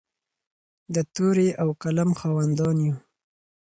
د تورې او قلم خاوندان یو.